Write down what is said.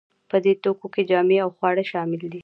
په دې توکو کې جامې او خواړه شامل دي.